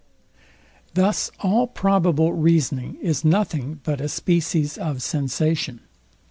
Thus all probable reasoning is nothing but a species of sensation.